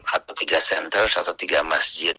atau tiga centers atau tiga masjid